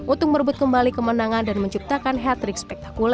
untuk merebut kembali kemenangan dan menciptakan hat trick spektakuler